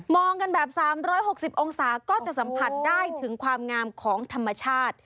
องกันแบบ๓๖๐องศาก็จะสัมผัสได้ถึงความงามของธรรมชาติ